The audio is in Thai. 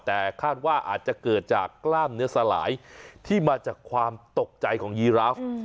แต่คาดว่าอาจจะเกิดจากกล้ามเนื้อสลายที่มาจากความตกใจของยีราฟ